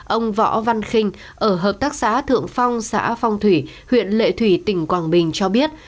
ông võ văn khinh ở hợp tác xã thượng phong xã phong thủy huyện lệ thủy tỉnh quảng bình cho biết